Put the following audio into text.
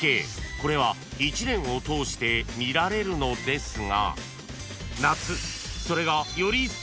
［これは１年を通して見られるのですが］